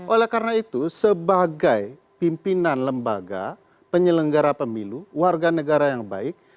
oleh karena itu sebagai pimpinan lembaga penyelenggara pemilu warga negara yang baik